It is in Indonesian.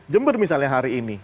jember misalnya hari ini